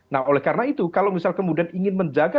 nah oleh karena itu kalau misal kemudian ingin menjaga